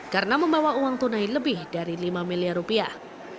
karena membawa uang tunai lebih dari lima miliar rupiah